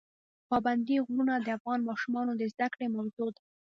پابندی غرونه د افغان ماشومانو د زده کړې موضوع ده.